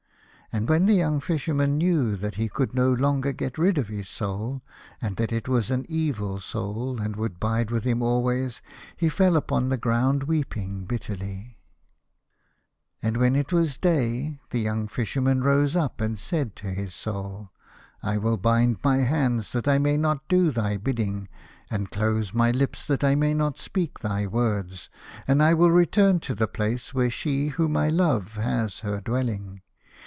And when the young Fisherman knew that he could no longer get rid of his Soul, and that it was an evil Soul and would abide with him always, he fell upon the ground weeping bitterly. 1 16 The Fisherman and his Soul. And when it was day the young Fisherman rose up and said to his Soul, " I will bind my hands that I may not do thy bidding, and close my lips that I may not speak thy words, and I will return to the place where she whom I love has her dwelling.